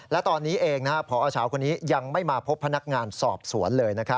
และตอนนี้เองพอเช้าคนนี้ยังไม่มาพบพนักงานสอบสวนเลย